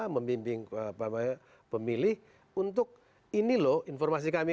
membimbing peserta membimbing pemilih untuk ini loh informasi kami